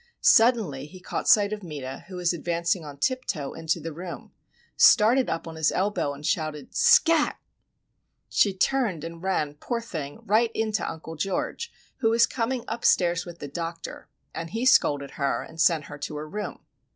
Suddenly he caught sight of Meta, who was advancing on tip toe into the room, started up on his elbow, and shouted "Scat!!" She turned and ran, poor thing, right into Uncle George, who was coming upstairs with the doctor, and he scolded her, and sent her to her room.